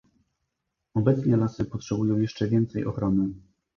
Obecnie lasy potrzebują jeszcze więcej ochrony